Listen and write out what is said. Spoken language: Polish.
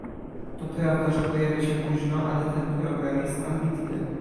To prawda, że pojawia się późno, ale ten program jest ambitny